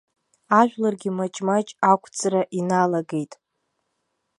Ажәларгьы маҷ-маҷ ақәҵра иналагеит.